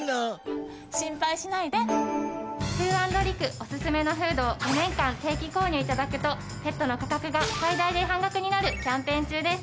オススメのフードを５年間定期購入頂くとペットの価格が最大で半額になるキャンペーン中です。